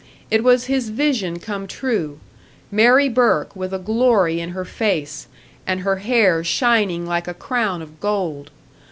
It was his vision come true Mary Burke with a glory in her face, and her hair shining like a crown of gold!